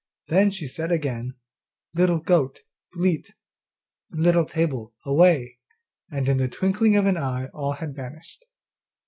Then she said again, 'Little goat, bleat, Little table, away.' and in the twinkling of an eye all had vanished.